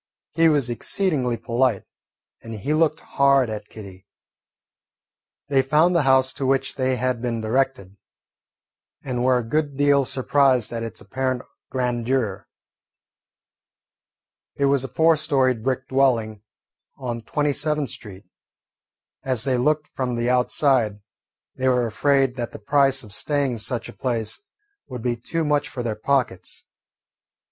He was exceedingly polite, and he looked hard at Kitty. They found the house to which they had been directed, and were a good deal surprised at its apparent grandeur. It was a four storied brick dwelling on Twenty seventh Street. As they looked from the outside, they were afraid that the price of staying in such a place would be too much for their pockets.